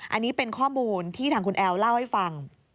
อันนี้เป็นข้อมูลที่ทางคุณแอลเล่าให้ฟัง